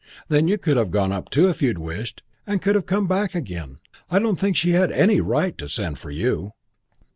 Then you could have gone up too if you'd wished and could have come back again. I don't think she had any right to send for you."